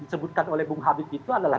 disebutkan oleh bung habib itu adalah